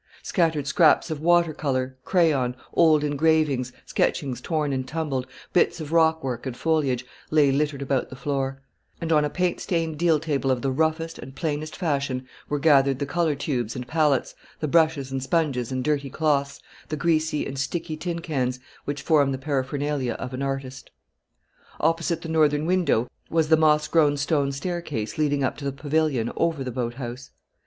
Scattered scraps of water colour, crayon, old engravings, sketches torn and tumbled, bits of rockwork and foliage, lay littered about the floor; and on a paint stained deal table of the roughest and plainest fashion were gathered the colour tubes and palettes, the brushes and sponges and dirty cloths, the greasy and sticky tin cans, which form the paraphernalia of an artist. Opposite the northern window was the moss grown stone staircase leading up to the pavilion over the boat house.